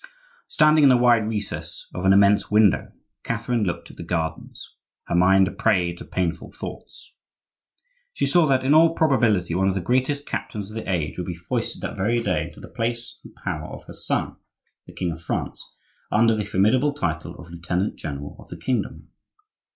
Standing in the wide recess of an immense window, Catherine looked at the gardens, her mind a prey to painful thoughts. She saw that in all probability one of the greatest captains of the age would be foisted that very day into the place and power of her son, the king of France, under the formidable title of lieutenant general of the kingdom.